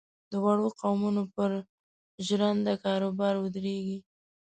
د وړو قومونو پر ژرنده کاروبار ودرېږي.